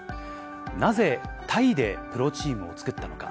なぜタイでプロチームを作ったのか。